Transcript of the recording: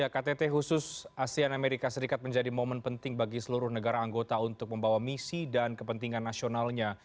ktt khusus asean amerika serikat menjadi momen penting bagi seluruh negara anggota untuk membawa misi dan kepentingan nasionalnya